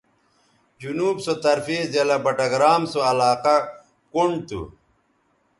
جنوب سو طرفے ضلع بٹگرام سو علاقہ کنڈ تھو